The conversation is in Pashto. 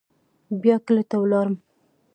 بيا کلي ته ولاړم.